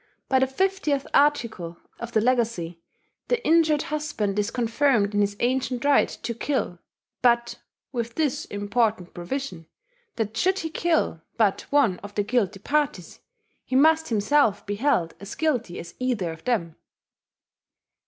By the 50th article of the Legacy, the injured husband is confirmed in his ancient right to kill, but with this important provision, that should he kill but one of the guilty parties, he must himself be held as guilty as either of them.